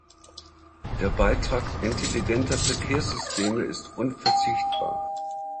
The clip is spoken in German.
Der Beitrag intelligenter Verkehrssysteme ist unverzichtbar.